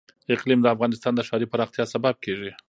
اقلیم د افغانستان د ښاري پراختیا سبب کېږي.